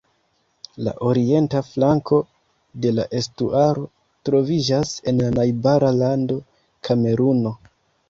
La orienta flanko de la estuaro troviĝas en la najbara lando, Kameruno.